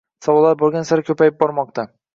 Savollar borgan sari ko‘payib bormoqda.